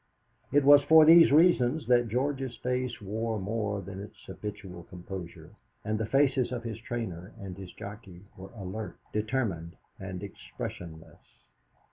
It was for these reasons that George's face wore more than its habitual composure, and the faces of his trainer and his jockey were alert, determined, and expressionless.